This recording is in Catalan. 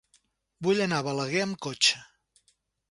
Vull anar a Balaguer amb cotxe.